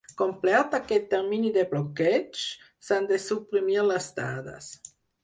Complert aquest termini de bloqueig, s'han de suprimir les dades.